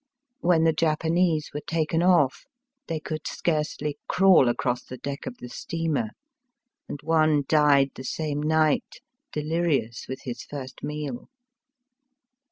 When the Japanese were taken off they could scarcely crawl across the deck of the steamer, and one died the same night, delirious with his first meal.